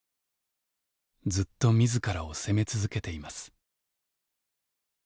ずっと自らを責め続けています。